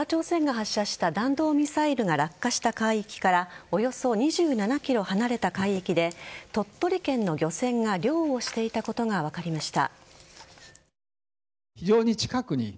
昨夜、北朝鮮が発射した弾道ミサイルが落下した海域からおよそ２７ｋｍ離れた海域で鳥取県の漁船が漁をしていたことが分かりました。